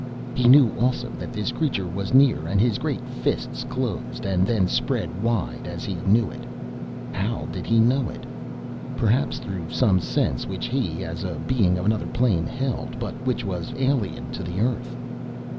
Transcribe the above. He knew also that this creature was near and his great fists closed and then spread wide as he knew it. How did he know it? Perhaps through some sense which he, as a being of another plane, held, but which was alien to the Earth.